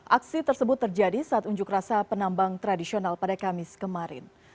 aksi tersebut terjadi saat unjuk rasa penambang tradisional pada kamis kemarin